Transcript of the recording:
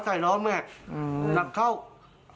ภาษาแรกที่สุดท้าย